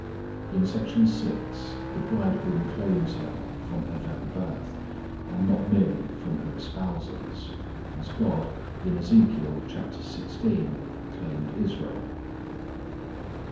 In Section VI. the Bridegroom claims her from her very birth, and not merely from her espousals, as GOD in Ezekiel xvi. claimed Israel.